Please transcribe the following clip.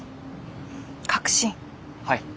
はい。